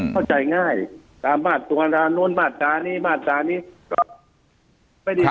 เข้าใจง่ายตรงทางนี้ก็ไม่มี